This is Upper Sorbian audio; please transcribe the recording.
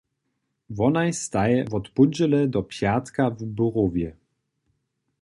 Wonaj staj wot póndźele do pjatka w běrowje.